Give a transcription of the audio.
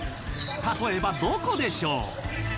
例えばどこでしょう？